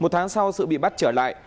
tháng sau sự bị bắt trở lại